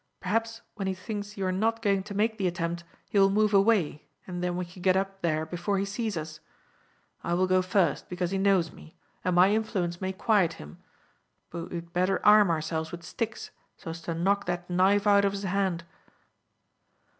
Perhaps, when he thinks you are not going to make the attempt, he will move away, and then we can get up there before he sees us. I will go first because he knows me, and my influence may quiet him, but we had better arm ourselves with sticks so as to knock that knife out of his hand."